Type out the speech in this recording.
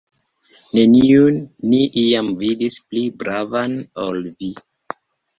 Neniun ni iam vidis pli bravan, ol vi!